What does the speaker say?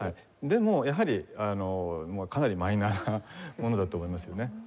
でもやはりかなりマイナーなものだと思いますよね。